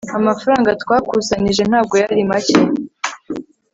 amafaranga twakusanyije ntabwo yari make